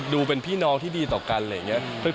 เป็นพี่น้องที่ดีต่อกันอะไรอย่างนี้